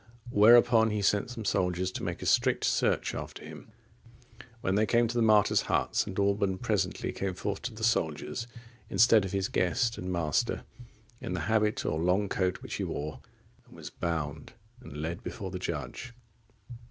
Whereupon he sent some soldiers to make a strict search after him. When they came to the martyr's hut, St. Alban presently came forth to the soldiers, instead of his guest and master, in the habit or long coat which he wore, and was bound and led before the judge.